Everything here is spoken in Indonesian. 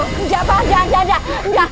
gak pak gak gak